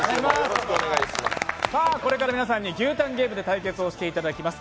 これから皆さんに牛タンゲームで対決をしていただきます。